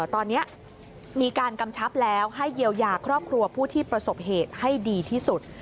ตอนนี้มีการกำชับแล้วให้เยียวยาครอบครัวผู้ที่ประสบเหตุให้ดีที่สุด